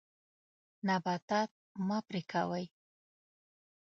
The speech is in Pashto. نباتات مه پرې کوئ.